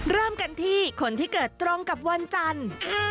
เริ่มกันที่คนที่เกิดตรงกับวันจันทร์